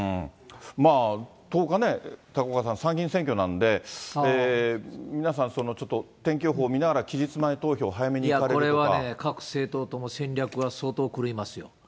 まあ、１０日ね、高岡さん、参議院選挙なんで、皆さんちょっと天気予報見ながら、これはね、各政党とも、戦略が相当狂いますよ。